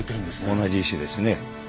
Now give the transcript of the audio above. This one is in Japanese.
同じ石ですね。